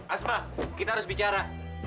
asma kita harus bicara